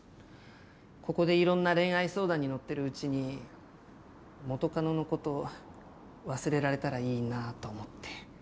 ここでいろんな恋愛相談に乗ってるうちに元カノのこと忘れられたらいいなぁと思って。